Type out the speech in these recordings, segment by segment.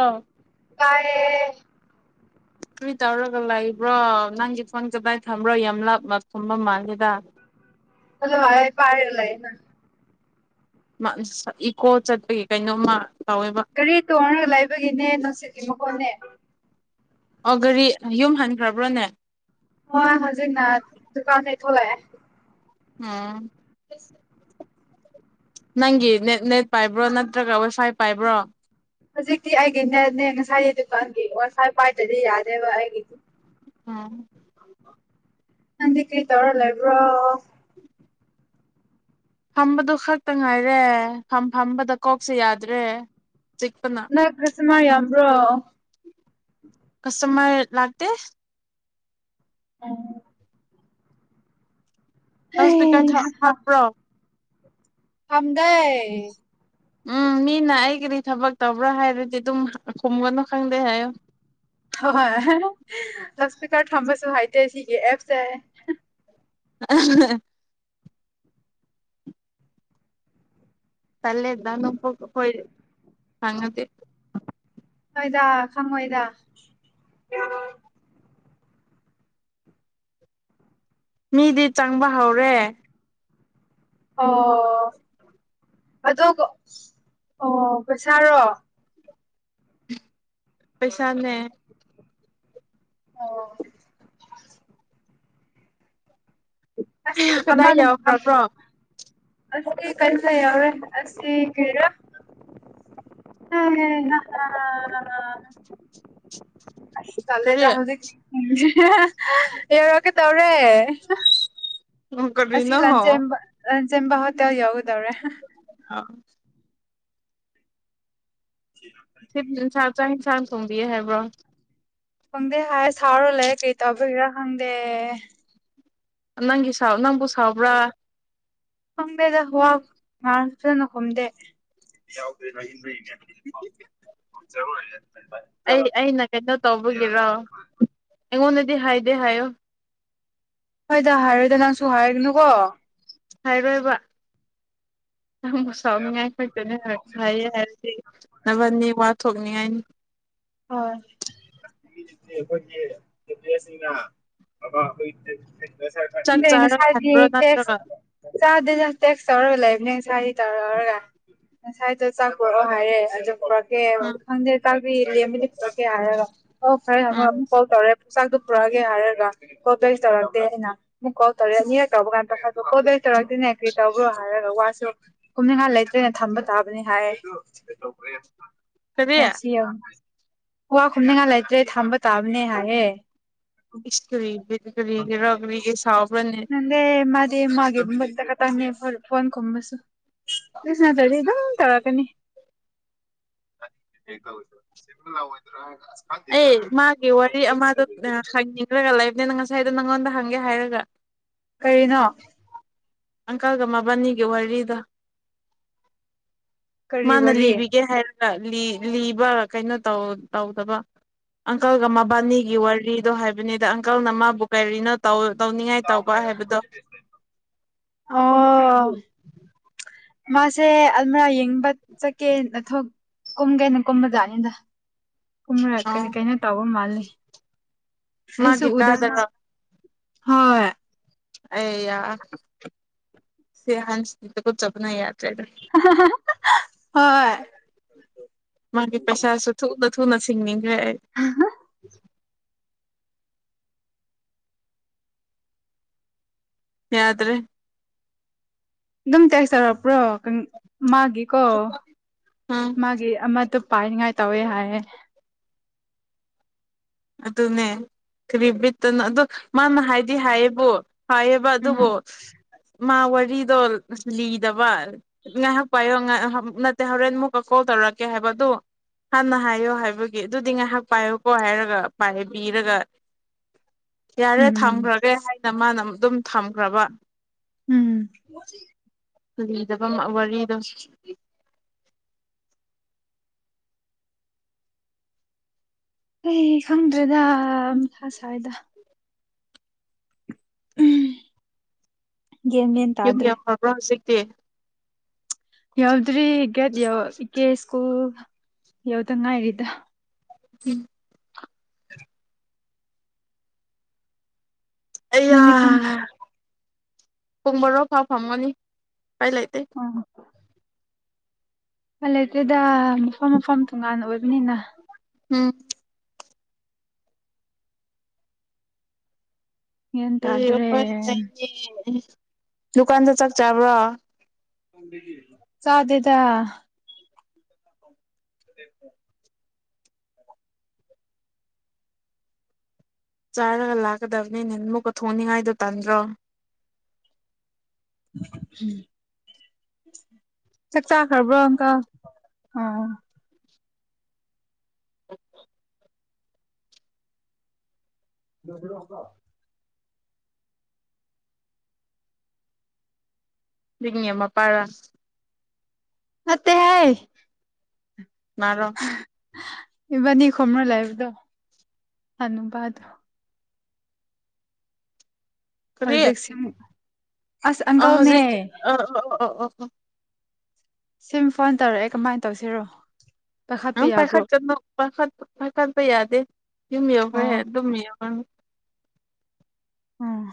ꯑꯥ ꯀꯥꯏꯦ ꯀꯔꯤ ꯇꯧꯔꯒ ꯂꯩꯕ꯭ꯔꯣ ꯅꯪꯒꯤ ꯐꯣꯟ ꯀꯗꯥꯏ ꯊꯝꯕ꯭ꯔꯣ ꯌꯥꯝ ꯂꯥꯞꯅ ꯊꯨꯝꯕ ꯃꯥꯜꯒꯦ [unintelligible] ꯏꯀꯣ ꯆꯠꯄꯒꯤ ꯀꯩꯅꯣꯝꯃ ꯇꯧꯋꯦꯕ ꯒꯥꯔꯤ ꯇꯣꯡꯉꯔꯒ ꯂꯩꯕꯒꯤꯅꯦ ꯅꯨꯡꯁꯤꯠꯀꯤ ꯃꯈꯣꯟꯅꯦ ꯑꯣ ꯒꯥꯔꯤ ꯌꯨꯝ ꯍꯟꯈ꯭ꯔꯕ꯭ꯔꯣꯅꯦ ꯍꯣꯏ ꯍꯧꯖꯤꯛ ꯅ ꯗꯨꯀꯥꯟ ꯊꯩ ꯊꯣꯛꯣꯂꯦ ꯑꯝ ꯅꯪꯒꯤ ꯅꯦꯠ ꯅꯦꯠ ꯄꯥꯏꯕ꯭ꯔꯣ ꯅꯠꯇ꯭ꯔꯒ ꯋꯥꯏꯐꯥꯏ ꯄꯥꯏꯕ꯭ꯔꯣ ꯍꯧꯖꯤꯛꯇꯤ ꯑꯩꯒꯤꯅꯅꯦ ꯉꯁꯥꯏꯒꯤ ꯗꯨꯀꯥꯟꯒꯤ ꯋꯥ ꯄꯥꯏꯠꯇꯗꯤ ꯌꯥꯗꯦꯕ ꯑꯩꯒꯤꯗꯤ ꯎꯝ ꯅꯗꯤ ꯀ꯭ꯔꯤ ꯇꯧꯔꯂ ꯏꯕ꯭ꯔꯣ ꯐꯝꯕꯗꯨ ꯈꯛꯇ ꯉꯥꯏꯔꯦ ꯐꯝ ꯐꯝꯕꯗ ꯀꯣꯛꯁꯦ ꯌꯥꯗ꯭ꯔꯦ ꯆꯤꯄꯅ ꯃꯥꯏ ꯌꯥ꯭ꯔꯣ ꯀꯁꯇꯃꯔ ꯂꯥꯛꯇ [unintelligible] ꯅꯄꯤꯀꯥꯏ ꯍꯥꯞꯄ꯭ꯔꯣ ꯐꯝꯗꯦ ꯎꯝ ꯃꯤꯅ ꯑꯩꯒꯤꯗꯤ ꯊꯕꯛ ꯇꯧꯕ꯭ꯔꯥ ꯍꯥꯏꯔꯗꯤ ꯑꯗꯨꯝ ꯈꯨꯝꯒꯅꯨ ꯈꯪꯗꯦ ꯍꯥꯏꯌꯨ ꯍꯣꯏ ꯀꯥꯔ ꯊꯝꯕꯁꯨ ꯍꯥꯏꯇꯦ ꯁꯤꯒꯤ ꯑꯦꯞꯁꯦ ꯑ ꯇꯂꯦ ꯗꯥꯥ ꯅꯣꯡꯄꯣꯛ ꯍꯣꯏ ꯈꯪꯉꯥꯗꯤ ꯍꯣꯏꯗ ꯈꯪꯉꯣꯏꯗ [unintelligible] ꯃꯤꯗꯤ ꯆꯪꯕ ꯍꯧꯔꯦ ꯑꯣ ꯑꯗꯨꯒ ꯑꯣ ꯄꯩꯁꯥꯔꯣ ꯄꯩꯁꯥꯅꯦ ꯑꯣ ꯑꯁ ꯀꯗꯥꯏ ꯌꯥꯎꯈ꯭ꯔꯕ꯭ꯔꯣ ꯑꯁ ꯀꯟꯂ ꯌꯥꯔꯦ ꯑꯁꯤ ꯀꯔꯤꯔꯥ [unintelligible] ꯀꯔꯤ ꯆꯠꯂꯦꯗ [unintelligible] ꯌꯧꯔ ꯀꯦ ꯇꯧꯔꯦ ꯑꯁꯤ ꯀꯔꯤꯅꯣ ꯂꯟꯆꯦꯟꯕ ꯖꯕꯥ ꯍꯥꯠꯇꯋꯥ ꯌꯥꯎꯗꯕ꯭ꯔꯦ ꯑ [unintelligible] ꯏꯟꯁꯥꯡ ꯊꯣꯝꯕꯤꯌꯦ ꯍꯥꯏꯕ꯭ꯔꯣ ꯈꯪꯗꯦ ꯍꯥꯏ ꯁꯥꯥꯎꯔ ꯂꯩ ꯀꯩ ꯇꯧꯕꯒꯤꯔ ꯈꯪꯗꯦ ꯅꯪꯒꯤ ꯁꯥꯎ ꯅꯪꯕꯨ ꯁꯥꯎꯕ꯭ꯔꯥ ꯈꯪꯗꯦꯗ ꯋꯥ ꯉꯥꯡꯉꯁꯨ ꯈꯨꯝꯗꯦ ꯑꯩ ꯑꯩꯅ ꯀꯩꯅꯣ ꯇꯧꯕꯒꯤꯔꯣ ꯑꯩꯉꯣꯟꯗ ꯍꯥꯏꯗꯦ ꯍꯥꯏꯌꯣ ꯍꯣꯏꯗ ꯍꯥꯏꯔꯣꯏꯗ ꯅꯪꯁꯨ ꯍꯥꯏꯒꯅꯨꯀꯣ ꯍꯥꯏꯔꯣꯏꯕ ꯌꯥꯝꯕꯨ ꯁꯥꯎꯅꯤꯡꯉꯥꯏ ꯈꯛꯇꯣꯏꯅꯦ ꯍꯥꯏꯌꯦ ꯍꯥꯏꯔꯁꯤ ꯅꯕꯟꯅꯤꯠ ꯊꯣꯛꯅꯤꯡꯉꯥꯏꯅꯤ [unintelligible] ꯆꯥꯛ ꯆꯥꯔꯒ ꯍꯟꯕ꯭ꯔꯣ ꯉꯁꯥꯗꯤ ꯇꯦꯛꯁ ꯅꯠꯇ꯭ꯔꯒ ꯆꯥꯗ ꯇꯦꯛꯁ ꯇꯧꯔꯒ ꯂꯩꯕꯅꯦ ꯉꯁꯥꯗꯤ ꯇꯧꯔ ꯂꯧꯔꯒ ꯉꯁꯥꯏꯗ ꯆꯥꯛꯄꯣꯔꯛꯑꯣ ꯍꯥꯏꯔꯦ ꯑꯗꯨ ꯎꯝ ꯈꯪꯗꯦ ꯇꯕꯤ [unintelligible] ꯆꯥꯛꯇꯣ ꯎꯝ ꯄꯨꯔꯛꯑꯒꯦ ꯍꯥꯏꯔꯒ [unintelligible] ꯇꯧꯔꯛꯇꯦ ꯍꯥꯏꯅ ꯃ ꯀꯧꯔꯦꯅꯤꯍ ꯇꯕꯒꯥꯟ ꯣꯗ ꯇꯔꯛꯗꯗꯤꯅꯦ ꯀ ꯇꯕ ꯍꯥꯏꯔꯒ ꯋꯥ ꯀꯨꯝꯅꯤꯡꯍꯥꯟ ꯂꯩꯇ꯭ꯔꯦꯅ ꯊꯝꯕ ꯇꯥꯕꯅꯤ ꯍꯥꯏ ꯀꯔꯤ ꯐꯁꯤ ꯋꯥ ꯈꯨꯝꯅꯤꯡꯉꯥꯏ ꯂꯩꯇ꯭ꯔꯦ ꯊꯝꯕ ꯇꯥꯕꯅꯦ ꯍꯥꯏꯌꯦꯦ ꯏꯁ ꯀꯔꯤꯕ ꯀꯔꯤ ꯔꯒꯕꯤꯒꯤ ꯁꯥꯕꯕꯅꯦ ꯃꯥꯒꯤꯦ ꯐ ꯐꯣꯟ ꯀꯨꯝꯕꯁꯨꯁꯅꯠꯇ꯭ꯔꯗꯤꯝ ꯇꯧꯔꯛꯀꯅꯤ ꯁꯤ ꯍꯣꯏꯗ꯭ꯔꯥ ꯑꯩ ꯃꯥꯒꯤ ꯋꯥꯔꯤ ꯑꯃꯗꯣ ꯍꯪꯅꯤꯡꯈ꯭ꯔꯒ ꯂꯩꯕꯅꯤꯅ ꯉꯁꯥꯏꯗꯣ ꯅꯪꯉꯣꯟꯗ ꯍꯪꯒꯦ ꯍꯥꯏꯔꯒ ꯀꯅꯣ ꯑꯪꯀꯜꯒ ꯃꯕꯥꯅꯤꯒꯤ ꯋꯥꯔꯤꯗ ꯀꯔꯤ ꯃꯥꯅ ꯂꯤ ꯋꯥꯔꯤ ꯏꯕꯒꯦ ꯍꯥꯏ ꯂꯤꯕ ꯀꯩꯅꯣ ꯇꯧꯗꯕ ꯑꯪꯀꯜꯒ ꯃꯕꯥꯅꯤꯒꯤ ꯋꯥꯔꯤꯗꯣ ꯍꯥꯏꯕꯅꯤꯗ ꯑꯪꯀꯜꯅ ꯃꯥꯕꯨ ꯀꯔꯤꯅꯣ ꯇꯧ ꯇꯧꯅꯤꯡꯉꯥꯏ ꯇꯧꯕ ꯍꯥꯏꯕꯗꯣ ꯑꯣ ꯃꯥꯁꯦ ꯑꯜꯃꯔꯥ ꯌꯦꯡꯕ ꯆꯠꯀꯦ ꯅꯊ ꯀꯨꯝ ꯀꯩꯅꯣ ꯀꯨꯝꯕꯖꯥꯠꯅꯤꯗ ꯀꯨꯝꯅꯛ ꯑ ꯀꯅꯤ ꯀꯩꯅꯣ ꯇꯧꯕ ꯃꯥꯜꯜꯂꯤꯦ ꯃꯥꯒꯤ ꯀꯥꯗ ꯍꯣꯏ ꯑ ꯌꯥ ꯁꯤꯍꯥꯟꯁꯤꯗ ꯆꯕꯅ ꯌꯥꯔ ꯆ ꯑ ꯃꯥꯒꯤ ꯄꯩꯁꯥꯁꯨ ꯊ ꯊꯅꯁꯤꯡꯅꯤ ꯑ ꯌꯥꯗ꯭ꯔꯦ ꯑꯗꯨꯝ ꯆꯦꯛꯁ ꯇꯔꯛ ꯄꯨ꯭ꯔꯣ ꯃꯥꯒꯤꯀꯣ ꯎꯝ ꯃꯥꯒꯤ ꯑꯃꯠꯇ ꯄꯥꯏꯅꯤꯉꯥꯏ ꯇꯧꯋꯦ ꯍꯥꯏꯦ ꯑꯗꯨꯅꯦ ꯀꯔꯤ ꯠꯇꯅ ꯑꯗꯣ ꯃꯥꯅ ꯍꯥꯏꯗꯤ ꯍꯥꯏꯌꯦꯕꯣ ꯍ ꯑꯦꯕ ꯎꯝ ꯑꯗꯨꯕꯨꯣ ꯃꯥ ꯋꯥꯔꯤꯗꯣ ꯂꯤꯗꯕ ꯉꯥꯏꯍꯥꯛ ꯄꯥꯏꯌꯣ ꯅꯠꯇꯦ ꯍꯣꯔꯦꯟ ꯃꯨꯛꯀ ꯀꯣꯜ ꯇꯧꯔꯛꯀꯦ ꯍꯥꯏꯕꯗ ꯍꯥꯟꯅ ꯍꯥꯏꯌꯣ ꯍꯥꯏꯕꯒꯤ ꯑꯗꯨꯗꯤ ꯉꯥꯏꯍꯥꯛ ꯄꯥꯏꯌꯣꯀꯣ ꯍꯥꯏꯔꯒ ꯄꯕꯤꯔꯒ ꯌꯥꯔꯦ ꯎꯝ ꯊꯝꯈ꯭ꯔꯒꯦ ꯍꯥꯏ ꯅ ꯃꯥꯅ ꯑꯗꯨꯝ ꯊꯝꯈ꯭ꯔꯕ ꯎꯝ ꯃꯥ ꯂꯤꯗꯕ ꯋꯥꯔꯤꯗꯣ ꯑꯩ ꯈꯪꯗ꯭ꯔꯦꯗ ꯊ ꯁ꯭ꯋꯥꯏꯗ ꯒ꯭ꯌꯥꯟ ꯃꯦꯟ ꯌ ꯇꯥꯗ꯭ꯔꯦ ꯌꯥꯝ ꯐꯕ꯭ꯔ ꯍꯧꯖꯤꯦ ꯇ ꯌꯥꯎ ꯇ꯭ꯔꯤꯒꯦꯠꯣ ꯏ ꯀꯦ ꯏꯁ꯭ꯀꯨꯜ ꯌꯎꯗ ꯉ ꯍꯥꯏꯗ ꯎꯝ ꯑꯌꯥ ꯅꯪꯗꯤ ꯄꯨꯡ ꯄꯨꯡ ꯃꯔꯣꯛ ꯐꯥꯎ ꯐꯝꯒꯅꯤ ꯀꯥꯏ ꯂꯥꯏꯇ ꯑ ꯐꯂꯦ ꯑꯗꯨꯗ ꯃꯐꯝ ꯃꯐꯝ ꯇꯣꯉꯥꯟꯅ ꯑꯣꯏꯕꯅꯤꯅ ꯎꯝ ꯒ꯭ꯌꯥꯟ ꯀꯣꯏ ꯇꯥꯗ꯭ꯔꯦ ꯑꯩꯈꯣꯏꯥꯏꯅꯦ ꯗꯨꯀꯥꯟꯗ ꯆꯥꯛ ꯆꯥꯕ꯭ꯔꯥ ꯁꯥꯗꯦꯗ ꯣ ꯆꯥꯔꯒ ꯂꯥꯛꯀꯗꯕꯅꯤ ꯅ ꯑꯃꯨꯛꯀ ꯊꯣꯡꯅꯤꯡꯉꯥꯏꯗꯨ ꯇꯥꯟꯗ꯭ꯔꯣ ꯆꯠꯆꯥ ꯈꯕ꯭ꯔꯣꯪꯀ ꯑꯥ [unintelligible] ꯂꯁ ꯂꯀ ꯂꯤꯡ ꯃꯄꯥꯔꯁ ꯑꯠꯇ ꯍꯥꯏ ꯃꯔꯔꯣ ꯏꯕꯥꯅꯤ ꯈꯅ ꯂꯥꯏꯕꯗꯣ ꯍꯅꯕꯗꯨ ꯑꯗꯨꯗꯁꯤ ꯑꯣꯏꯖꯤ ꯑꯩ ꯑ ꯑ ꯎ ꯁꯤꯃ ꯐꯣꯟ ꯇꯧꯔꯛꯑꯦ ꯀꯃꯥꯏꯅ ꯇꯧꯁꯤꯔꯣ ꯑ ꯄꯥꯏꯈꯠꯄ ꯌꯥꯕ꯭ꯔꯣ ꯄꯥꯏꯈꯠ ꯀꯅꯨ ꯄꯥꯏꯈꯠꯄ ꯌꯥꯗꯦ ꯌꯨꯝꯃꯤꯎꯈ꯭ꯔ ꯍꯦ ꯑꯣ ꯑꯗꯨꯝ ꯑꯝ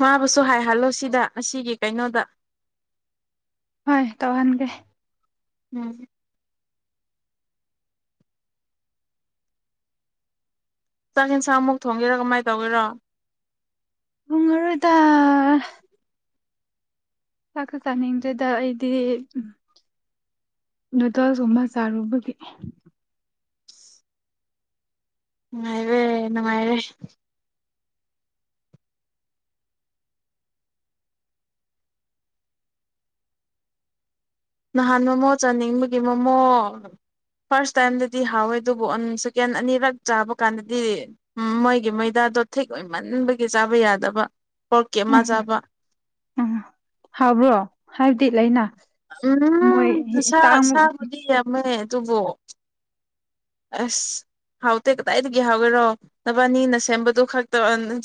ꯃꯥꯕꯨꯁꯨ ꯍꯥꯏꯍꯜꯂꯣ ꯁꯤꯗ ꯑꯁꯤꯒꯤ ꯀꯩꯅꯣꯗ ꯍꯣꯏ ꯇꯧꯍꯟꯒꯦ ꯑꯝ ꯆꯥꯛ ꯌꯦꯟꯁꯥꯡꯃꯨꯛ ꯊꯣꯡꯒꯦꯔꯥ ꯀꯃꯥꯏꯅ ꯇꯧꯒꯦꯔꯣ ꯨꯊꯣꯡꯉꯔꯣꯏꯗ ꯆꯥꯛꯀ ꯆꯥꯅꯤꯡꯗꯗ ꯑꯩꯗꯤ ꯅꯨꯗꯜꯁꯀꯨꯝꯕ ꯆꯥꯔꯨꯕꯒꯤ ꯉꯅꯨꯡꯥꯏꯔꯦ ꯅꯨꯡꯉꯥꯏꯔꯦ ꯅꯍꯥꯟ ꯃꯣꯃꯣ ꯆꯥꯅꯤꯡꯕꯒꯤ ꯃꯣꯃꯣ ꯐꯥꯔꯁ ꯇꯥꯏꯝꯗꯗꯤ ꯍꯥꯎꯋꯦ ꯑꯗꯨꯕꯨ ꯁꯦꯀꯦꯟ ꯑꯅꯤꯔꯛ ꯆꯥꯕ ꯀꯥꯟꯗꯗꯤ ꯃꯣꯏꯒꯤ ꯃꯣꯏꯗꯥꯗꯣ ꯊꯤꯛ ꯑꯣꯏꯃꯟꯕꯒꯤ ꯆꯥꯕ ꯌꯥꯗꯕ ꯑꯣꯀꯦꯃꯖꯕ ꯍꯧꯕ꯭ꯔꯣ ꯍꯥꯏꯕꯗꯤ ꯂꯩꯅꯥ ꯎꯝ ꯁꯥ ꯁꯥꯕꯗꯤ ꯌꯥꯝꯃꯦ ꯇꯨꯕꯣ ꯑꯁ ꯍꯥꯎꯇꯦ ꯀꯗꯥꯏꯗꯒꯤ ꯍꯥꯎꯋꯦꯔꯣ ꯅꯕꯥꯅꯤꯅ ꯁꯦꯝꯕꯗꯨ ꯈꯛꯇ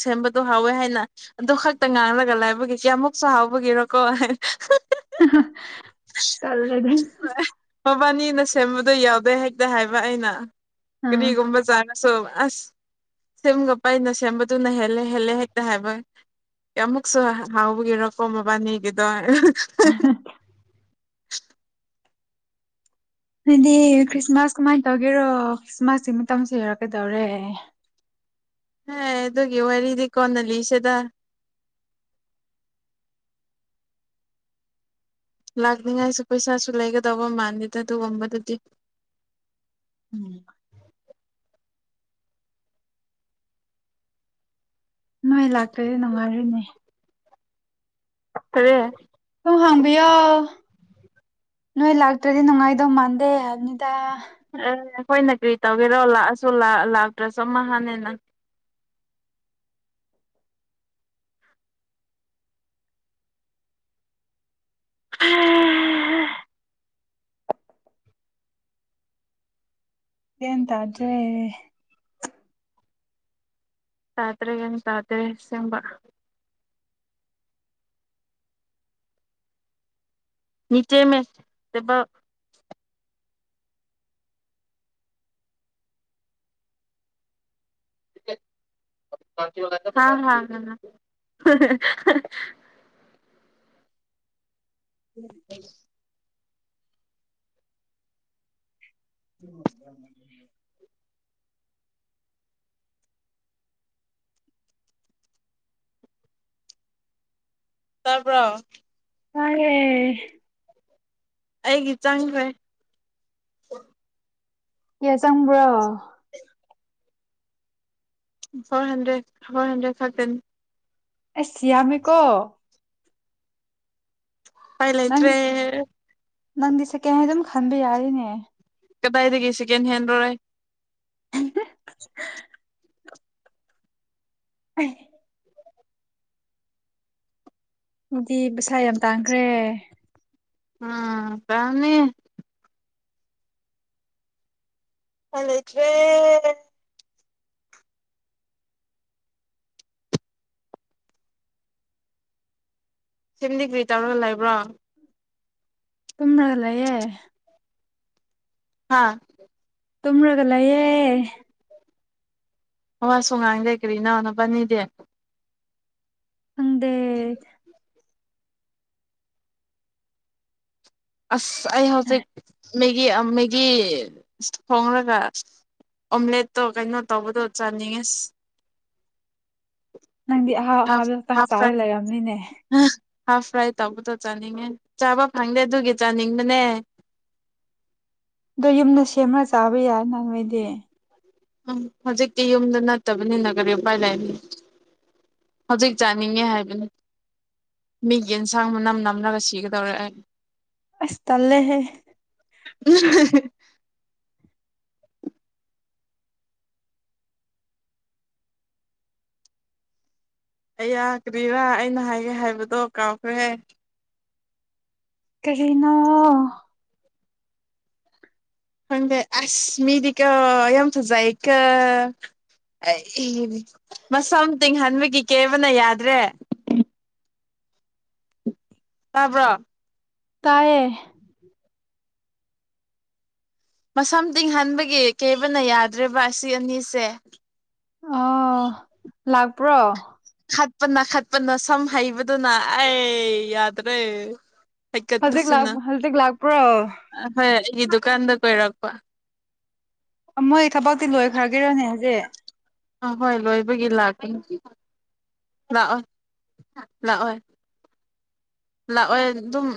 ꯁꯦꯝꯕꯗ ꯍꯥꯎꯋꯦ ꯍꯥꯏꯅ ꯑꯗꯨ ꯈꯛꯇ ꯉꯥꯡꯂꯒ ꯂꯥꯏꯕꯒꯦ ꯀꯌꯥꯃꯨꯛꯁꯨ ꯍꯥꯎꯕꯒꯤꯔꯣꯀꯣ ꯇꯜꯂꯦꯗ ꯃꯕꯥꯅꯤꯅ ꯁꯦꯝꯕꯗꯣ ꯌꯥꯎꯗꯦ ꯍꯥꯏ ꯗ ꯍꯥꯏꯕ ꯑꯩꯅ ꯑꯣ [unintelligible] ꯑ ꯀꯔꯤꯒꯨꯝꯕ ꯆꯥ ꯁꯣ ꯑꯁ ꯁꯦꯝꯒ ꯄꯩꯅ ꯁꯦꯝꯕꯗꯨꯅ ꯍꯦꯜꯂꯦ ꯍꯦꯜꯂꯦ ꯍꯦꯛꯇ ꯍꯥꯏꯕ ꯑꯃꯨꯛꯁꯨ ꯍꯥꯎꯈꯤꯔꯣꯀꯣ ꯃꯕꯥꯅꯤꯒꯤꯗꯣ [unintelligible] [inaudible] ꯑꯗꯨꯗꯤ ꯈꯔꯤꯁꯃꯥꯁ ꯀꯃꯥꯥꯏ ꯇꯧꯒꯦꯔꯣ ꯈ꯭ꯔꯤꯁꯃꯥꯁꯁꯤ ꯃꯇꯝꯁꯨ ꯍꯔꯛꯀꯗꯧꯔꯦ ꯍꯥꯏ ꯑꯗꯨꯒꯤ ꯋꯥꯔꯤꯗꯤ ꯀꯣꯟꯅꯜꯂꯤꯁꯤꯗ ꯂꯥꯛꯅꯤꯡꯉꯥꯏꯁꯨ ꯄꯩꯁꯥꯁꯨ ꯂꯩꯒꯗꯧꯕ ꯃꯥꯟꯗꯦꯗ ꯑꯗꯨꯒꯨꯝꯕꯗꯨꯗꯤ ꯎꯝ ꯅꯣꯏ ꯂꯥꯛꯄꯗꯤ ꯅꯨꯡꯉꯥꯏꯔꯤꯅꯦ ꯀꯔꯤ ꯑꯗꯨꯝ ꯍꯥꯡꯕꯤꯌꯣ ꯅꯣꯏ ꯂꯥꯛꯇ꯭ꯔꯗꯤ ꯅꯨꯡꯉꯥꯏꯗꯧ ꯃꯥꯟꯗꯦ ꯍꯥꯏꯕꯅꯤꯗ ꯑꯦ ꯑꯩꯈꯣꯏꯅ ꯀꯔꯤ ꯇꯧꯒꯦꯔꯣ ꯂꯥꯛꯑꯁꯨ ꯂꯥꯛꯇ꯭ꯔꯁꯨ ꯑꯃ ꯍꯥꯟꯅꯦ ꯅꯪ [unintelligible] ꯒꯌꯦꯟ ꯇꯥꯗ꯭ꯔꯦ ꯇꯥꯇꯔꯦꯒꯅꯤ ꯇꯥꯇꯔꯦ ꯁꯤꯝꯕ ꯅꯤꯆꯦ ꯃꯦ ꯍꯥ ꯍꯥ [inaudible] [inaudible] ꯇꯥꯕꯔꯣ ꯇꯥꯏꯌꯦ ꯑꯩꯒꯤ ꯆꯪꯈ꯭ꯔꯦ ꯀꯌꯥ ꯆꯪꯕ꯭ꯔꯣ [unintelligible] four hundred four hundred thirteen ꯑꯦ ꯁꯤꯌꯥꯃꯤ ꯀꯣ ꯐꯥꯏ ꯂꯥꯏꯇ꯭ꯔꯦ ꯅꯪꯒꯤ ꯅꯪꯗꯤ ꯁꯦ [unintelligible] ꯑꯗꯨꯝ ꯈꯟꯕ ꯌꯥꯔꯤꯅꯦ ꯀꯗꯥꯏꯗꯒꯦꯁꯤꯀꯦꯟ ꯍꯦꯟ ꯔꯣꯦ ꯎ ꯑꯗꯨꯗꯤ ꯄꯩꯁꯥ ꯌꯥꯝ ꯇꯥꯡꯈ꯭ꯔꯦ ꯎꯝ ꯇꯧꯔꯝꯅꯤ ꯑꯆ ꯁꯦꯝꯗꯤ ꯀꯔꯤ ꯇꯧꯔꯒ ꯂꯩꯕ꯭ꯔꯣ ꯇꯨꯝꯗꯅꯂꯩꯌꯦ ꯍꯥꯥ ꯇꯨꯝꯔꯒ ꯂꯩꯌꯦ ꯋꯥꯁꯨ ꯉꯥꯡꯗꯦ ꯀꯔꯤꯅꯣ ꯅꯥꯕꯥꯟꯅꯤꯗꯤ ꯍꯪꯗꯦ ꯑꯁ ꯑꯩꯥ ꯍꯧꯖꯤꯛ ꯃꯦꯒꯤ ꯃꯦꯒꯤ ꯊꯣꯡꯡꯂꯒ ꯑꯣꯝꯂꯦꯠꯇꯣ ꯀꯩꯅꯣ ꯇꯧꯕꯗꯣ ꯆꯥꯅꯤꯡꯉꯁ ꯅꯪꯗꯤ ꯑꯍꯥꯎ ꯍꯥꯐ ꯑꯍꯥꯕꯥꯇꯥꯪ ꯍꯥꯐ ꯐ꯭ꯔꯥꯏ ꯆꯥꯔ ꯂꯩꯔꯝꯅꯤꯅꯦ ꯍꯥꯐ ꯐ꯭ꯔꯥꯏ ꯇꯧꯕꯗꯣ ꯆꯥꯅꯤꯡꯉꯦ ꯆꯥꯕ ꯐꯪꯗꯦ ꯑꯗꯨꯒꯤ ꯆꯥꯅꯤꯡꯕꯅꯦ ꯑꯗꯣ ꯌꯨꯝꯗ ꯁꯦꯝꯃꯒ ꯆꯥꯕ ꯌꯥꯏꯅ ꯅꯣꯏꯗꯤ ꯎꯝ ꯍꯧꯖꯤꯛꯇꯤ ꯌꯨꯝꯗ ꯅꯠꯇꯕꯅꯤꯅ ꯀꯔꯤ ꯎꯄꯥꯏ ꯂꯥꯏꯕꯤ ꯍꯧꯖꯤꯛ ꯆꯥꯅꯤꯡꯉꯦ ꯍꯥꯏꯕꯅꯤ ꯃꯤ ꯌꯦꯟꯁꯥꯡ ꯃꯅꯝ ꯅꯝꯂꯒ ꯁꯤꯒꯗꯧꯔ ꯑꯁꯇꯥꯂꯦꯍꯦ ꯎꯝ ꯑꯩ ꯌꯥꯒ꯭ꯔꯤꯔꯥ ꯑꯩꯅ ꯍꯥꯏꯒꯦ ꯍꯥꯏꯕꯗꯣ ꯀꯥꯎꯈ꯭ꯔꯦ ꯀꯔꯤꯅꯥ ꯈꯪꯗꯦ ꯑꯁ ꯃꯤꯗꯤ ꯀꯣ ꯌꯥꯝ ꯐꯖꯩꯀꯣ ꯑꯩ ꯃꯁꯝ ꯇꯤꯡꯍꯟꯕꯒꯤ ꯀꯦꯕꯅ ꯌꯥꯗ꯭ꯔꯦ ꯇꯥꯕ꯭ꯔꯣ ꯇꯌꯦ ꯃꯁꯝ ꯇꯤꯡꯍꯟꯕꯒꯤ ꯀꯩꯕꯅ ꯌꯥꯗ꯭ꯔꯦꯕ ꯑꯁꯤ ꯑꯅꯤꯁꯦ ꯑꯥ ꯂꯥꯛꯄ꯭ꯔꯣ ꯈꯠꯄꯅ ꯈꯠꯄꯅ ꯁꯝ ꯍꯩꯕꯗꯨꯅ ꯑꯩ ꯌꯥꯗ꯭ꯔꯦ ꯍꯧꯖꯤꯛ ꯂꯥꯛ ꯍꯥꯏꯀꯠꯄꯁꯤꯅ ꯍꯧꯖꯤꯛ ꯂꯥꯛꯄ꯭ꯔꯣ ꯒꯤ ꯗꯨꯀꯥꯟꯗ ꯀꯣꯏꯔꯛꯄ ꯃꯣꯏ ꯊꯕꯛꯇꯤ ꯂꯣꯏꯈ꯭ꯔꯒꯤꯔꯅꯦ ꯍꯧꯖꯤꯛ ꯑꯍꯣꯏ ꯂꯣꯏꯕꯒꯤ ꯂꯥꯛꯄꯥꯅꯦ ꯂꯥꯛꯑꯣꯏ ꯂꯥꯛꯑꯣꯏ ꯂꯥꯛꯑꯣꯏ ꯑꯗꯨꯝ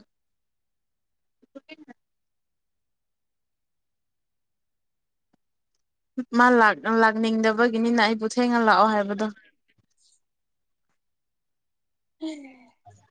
[unintelligible] ꯃꯥ ꯂꯥꯛꯅꯤꯡꯗꯕꯒꯤꯅꯤꯅ ꯑꯩꯕꯨ ꯊꯦꯡꯅ ꯂꯥꯛꯑꯣ ꯍꯥꯏꯕꯗꯣ [unintelligible]